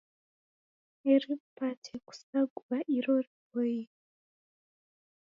Eri mpate kusaghua iro riboie